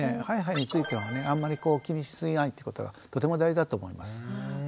ハイハイについてはあんまり気にしすぎないってことがとても大事だと思います。